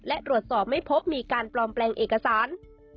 ไม่ได้พบมีการปลอมแปลงเอกสาร